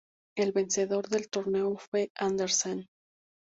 El vencedor del torneo fue Anderssen.